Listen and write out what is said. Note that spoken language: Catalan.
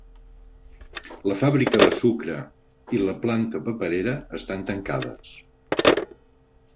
La fàbrica de sucre i la planta paperera estan tancades.